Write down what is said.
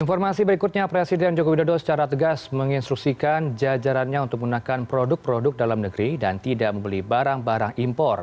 informasi berikutnya presiden joko widodo secara tegas menginstruksikan jajarannya untuk menggunakan produk produk dalam negeri dan tidak membeli barang barang impor